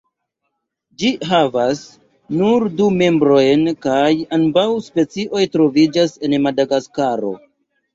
Ĝi havas nur du membrojn kaj ambaŭ specioj troviĝas en Madagaskaro.